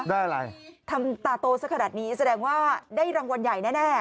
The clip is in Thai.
ได้อะไรทำตาโตสักขนาดนี้แสดงว่าได้รางวัลใหญ่แน่